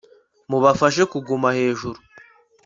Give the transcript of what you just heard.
mubafashe kuguma hejuru